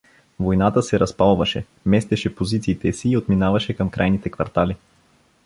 Войната се разпалваше, местеше позициите си и отминаваше към крайните квартали.